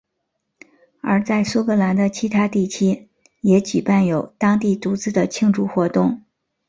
而在苏格兰的其他地区也举办有当地独自的庆祝活动。